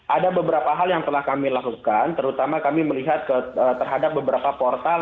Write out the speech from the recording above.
ada beberapa hal yang telah kami lakukan terutama kami melihat terhadap beberapa portal